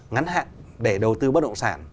ngắn hạn để đầu tư bất động sản